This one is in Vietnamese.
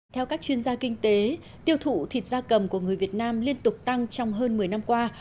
theo các chuyên gia kinh tế tiêu thụ thịt da cầm của người việt nam liên tục tăng trong hơn một mươi năm qua